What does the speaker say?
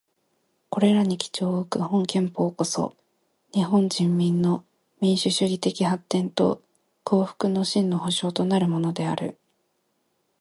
これらに基調をおく本憲法こそ、日本人民の民主主義的発展と幸福の真の保障となるものである。